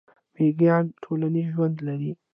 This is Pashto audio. میږیان ټولنیز ژوند لري